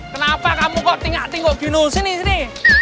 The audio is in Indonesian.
kenapa kamu kok tinggak tinggok gini sini